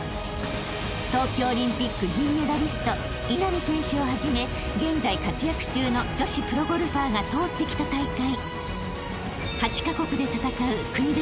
［東京オリンピック銀メダリスト稲見選手をはじめ現在活躍中の女子プロゴルファーが通ってきた大会］